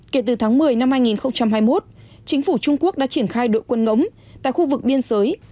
kể từ tháng một mươi năm hai nghìn hai mươi một chính phủ trung quốc đã triển khai đội quân ngóng tại khu vực biên giới